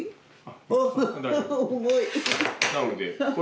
重い？